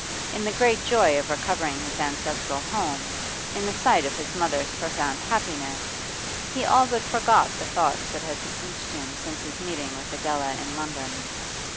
In the great joy of recovering his ancestral home, in the sight of his mother's profound happiness, he all but forgot the thoughts that had besieged him since his meetings with Adela in London.